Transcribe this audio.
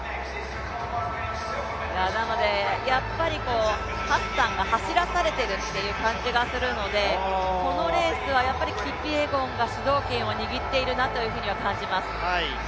やっぱりハッサンが走らされているという感じがするので、このレースはやっぱりキプイエゴンが主導権を握っているなという感じはします。